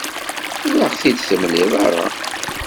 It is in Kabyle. Ur aɣ-t-id-temliḍ ara.